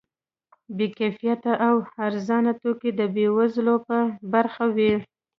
بې کیفیته او ارزانه توکي د بې وزلو په برخه وي.